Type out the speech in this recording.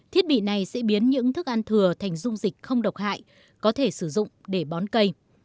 thiết bị này sẽ biến những thức ăn thừa thành dung dịch không độc hại có thể sử dụng để bón cây